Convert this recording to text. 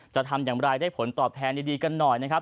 จะทำอย่างไรได้ผลตอบแทนดีกันหน่อยนะครับ